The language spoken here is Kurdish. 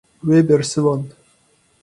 Wê bersivand.